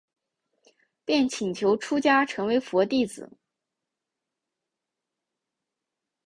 便请求出家成为佛弟子。